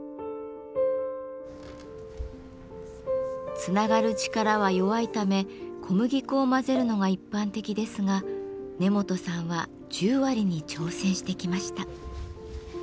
つながる力は弱いため小麦粉を混ぜるのが一般的ですが根本さんは十割に挑戦してきました。